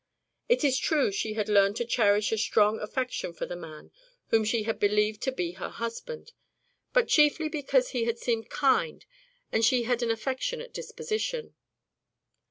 It is true, she had learned to cherish a strong affection for the man whom she had believed to be her husband, but chiefly because he had seemed kind and she had an affectionate disposition.